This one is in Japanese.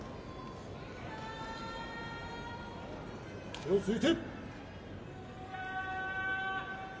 手をついて。